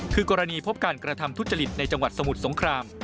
คือกรณีพบการกระทำทุจริตในจังหวัดสมุทรสงคราม